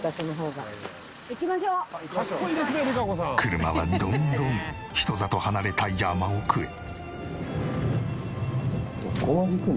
車はどんどん人里離れた山奥へ。